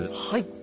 はい。